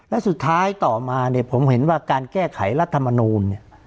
และสุดท้ายต่อมาผมเห็นว่าการแก้ไขรัฐมนุม